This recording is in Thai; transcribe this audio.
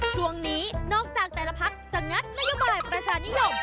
ช่วงนี้นอกจากแต่ละพักจะงัดนโยบายประชานิยม